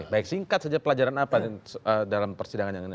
baik singkat saja pelajaran apa dalam persidangan yang ini